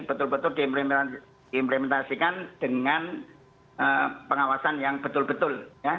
betul betul diimplementasikan dengan pengawasan yang betul betul